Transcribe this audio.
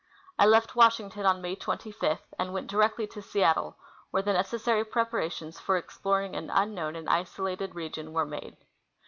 I left Washington on May 25 and went directly to Seattle, where the necessary preparations for explor ing an unknown and isolated region were made.